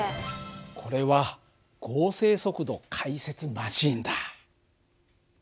これは合成速度解説マシーンだ。